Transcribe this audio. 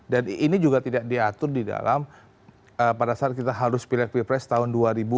dan ini juga tidak diatur di dalam pada saat kita harus pilih ppres tahun dua ribu empat belas